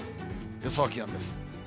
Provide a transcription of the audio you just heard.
予想気温です。